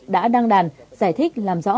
đã đăng đàn giải thích làm rõ